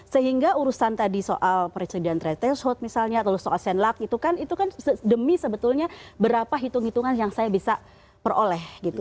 sehingga urusan tadi soal presiden treset misalnya soal senlak itu kan demi sebetulnya berapa hitung hitungan yang saya bisa peroleh gitu